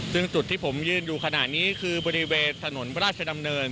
ซึ่งจุดที่ผมยืนอยู่ขณะนี้คือบริเวณถนนพระราชดำเนิน